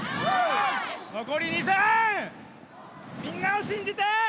残り２戦、みんなを信じて。